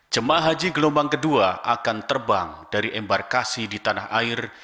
jemaah haji gelombang kedua akan terbang dari embarkasi di tanah air